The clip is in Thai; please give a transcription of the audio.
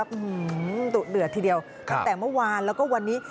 อื้อหือหือเดือดทีเดียวตั้งแต่เมื่อวานแล้วก็วันนี้